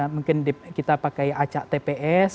mungkin kita pakai acak tps